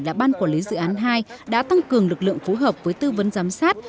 là ban quản lý dự án hai đã tăng cường lực lượng phối hợp với tư vấn giám sát